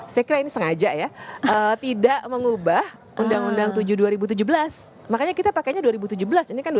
saya kira ini sengaja ya tidak mengubah undang undang tujuh dua ribu tujuh belas makanya kita pakainya dua ribu tujuh belas ini kan dua ribu